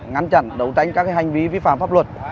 ngăn chặn đấu tranh các hành vi vi phạm pháp luật